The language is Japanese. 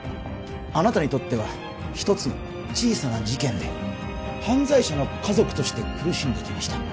あなたにとっては１つの小さな事件で犯罪者の家族として苦しんできました